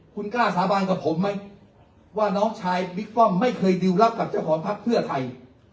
คุณกล้าสาบานกับผมไหมว่าน้องชายบิ๊กป้อมไม่เคยดิวรับกับเจ้าของพักเพื่อไทย